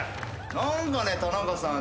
何かね田中さん